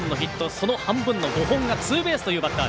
その半分の５本がツーベースのバッター。